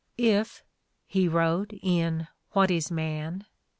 "If," he wrote, in "What is Man?"